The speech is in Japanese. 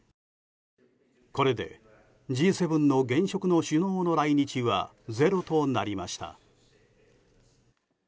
これでＧ７の現職の首脳の来日はゼロとなりました。